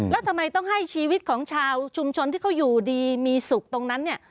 แล้วทำไมต้องให้ชีวิตของชาวชุมชนที่เขาอยู่ดีมีสุขตรงนั้นเนี่ย